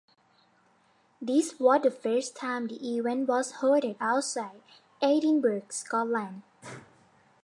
This was the first time the event was hosted outside Edinburgh, Scotland.